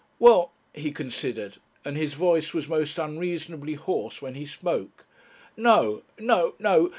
"Well," he considered and his voice was most unreasonably hoarse when he spoke "no. No....